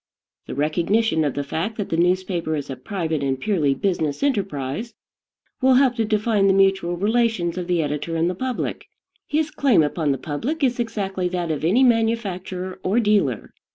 The recognition of the fact that the newspaper is a private and purely business enterprise will help to define the mutual relations of the editor and the public. His claim upon the public is exactly that of any manufacturer or dealer.